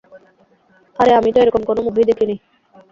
আরে আমি তো এরকম কোন মুভি দেখি নি।